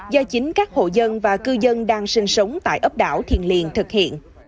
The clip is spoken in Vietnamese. do chính các hộ dân và cư dân đang sinh sống tại ấp đảo thiền liền thực hiện